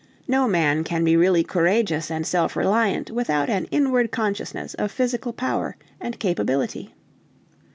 No man can be really courageous and self reliant without an inward consciousness of physical power and capability.